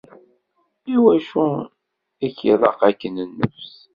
Iwacu i k-iḍaq akken nnefs?